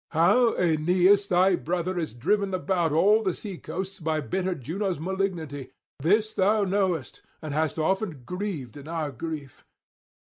How Aeneas thy brother is driven about all the sea coasts by bitter Juno's malignity, this thou knowest, and hast often grieved in our grief.